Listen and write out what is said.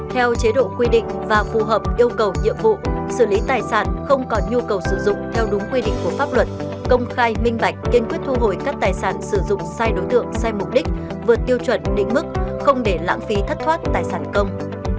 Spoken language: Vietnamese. theo chế độ quy định và phù hợp yêu cầu nhiệm vụ xử lý tài sản không còn nhu cầu sử dụng theo đúng quy định của pháp luật công khai minh bạch kiên quyết thu hồi các tài sản sử dụng sai đối tượng sai mục đích vượt tiêu chuẩn định mức không để lãng phí thất thoát tài sản công